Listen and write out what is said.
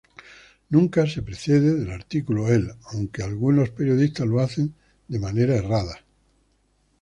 Nunca se precede del artםculo "El", aunque algunos periodistas lo hacen, de manera errada.